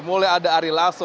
mulai ada ari lasso